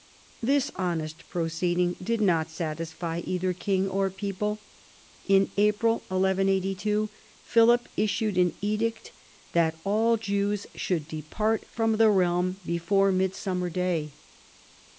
This honest proceeding did not satisfy either king or people. In April 1182 Philip issued an edict that all Jews should depart from the realm before midsummer day.